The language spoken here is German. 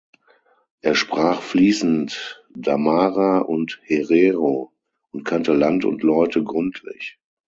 Er sprach fließend Damara und Herero und kannte Land und Leute gründlich.